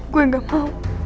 gue gak mau